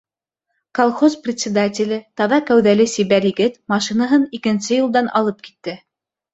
Колхоз председателе, таҙа кәүҙәле сибәр егет, машинаһын икенсе юлдан алып китте.